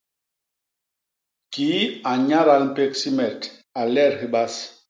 Kii a nnyadal mpék simet a lek hibas!